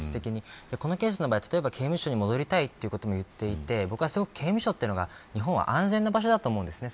現実的に、このケースの場合刑務所に戻りたいということも言っていて僕はすごく刑務所が、日本は安全な場所だと思うんです。